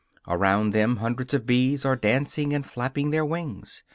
Around them hundreds of bees are dancing and flapping their wings.